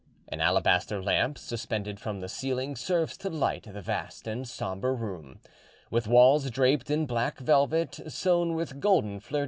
An alabaster lamp suspended from the ceiling serves to light the vast and sombre room, with walls draped in black velvet sewn with golden fleur de lys.